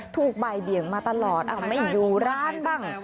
ถูกบ่ายเบี่ยงมาตลอดไม่อยู่ร้านบ้าง